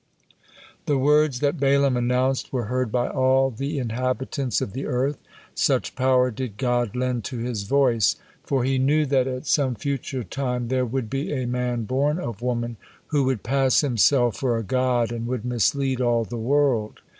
The words that Balaam announced were heard by all the inhabitants of the earth, such power did God lend to his voice, for He knew that at some future time there would be a man born of woman who would pass himself for a god and would mislead all the world.